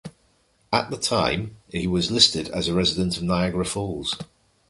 At the time, he was listed as a resident of Niagara Falls.